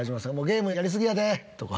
「ゲームやりすぎやで！」とか。